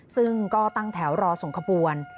ซึ่งก็ตั้งแถวรอส่งขบวน